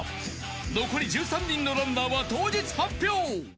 残り１３人のランナーは当日発表！